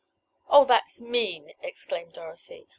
"Oh, that's mean!" exclaimed Dorothy.